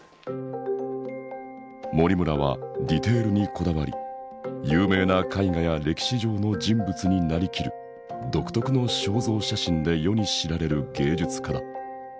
森村はディテールにこだわり有名な絵画や歴史上の人物に成りきる独特の肖像写真で世に知られる芸術家だ。